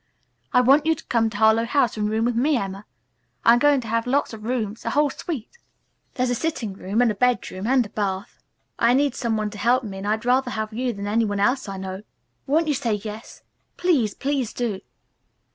"I want you to come to Harlowe House and room with me, Emma. I'm going to have lots of room, a whole suite. There's a sitting room, a bedroom and a bath. I need some one to help me and I'd rather have you than any one else I know. Won't you say 'yes'? Please, please, do."